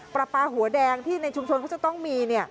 ปลาปลาหัวแดงที่ในชุมชนเขาจะต้องมี